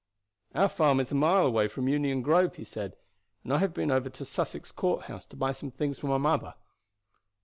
"Our farm is a mile away from Union Grove," he said, "and I have been over to Sussex Courthouse to buy some things for my mother."